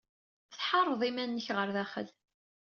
Tḥeṛṛed iman-nnek ɣer daxel.